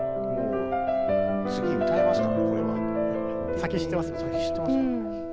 先知ってますよね。